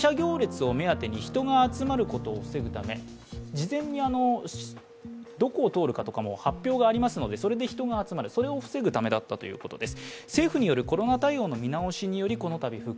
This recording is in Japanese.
事前にどこを通るとかも発表がありますので、それで人が集まる、それを防ぐためだったということです。